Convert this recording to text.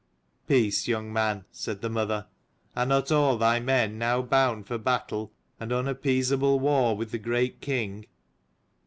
" Peace, young man," said the mother. " Are not all thy men now bound for battle, and unappeasable war with the great king?